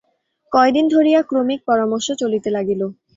কয়দিন ধরিয়া ক্রমিক পরামর্শ চলিতে লাগিল।